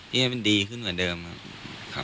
ที่ให้มันดีขึ้นกว่าเดิมครับ